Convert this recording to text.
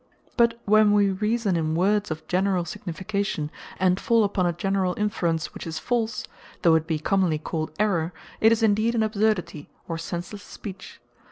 But when we Reason in Words of generall signification, and fall upon a generall inference which is false; though it be commonly called Error, it is indeed an ABSURDITY, or senseless Speech.